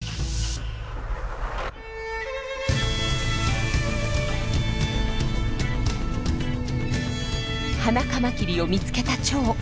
ハナカマキリを見つけたチョウ。